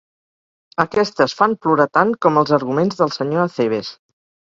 Aquestes fan plorar tant com els arguments del senyor Acebes.